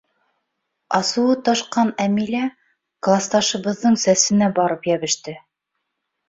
— Асыуы ташҡан Әмилә класташыбыҙҙың сәсенә барып йәбеште.